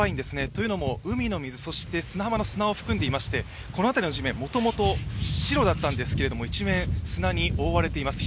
というのも海の水、そして砂浜の砂を含んでいましてこの辺りの地面、もともと白だったんですけれども、一面、砂に覆われています。